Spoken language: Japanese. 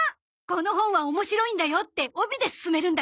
この本は面白いんだよって帯で勧めるんだね。